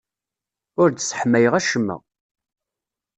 Ur d-sseḥmayeɣ acemma.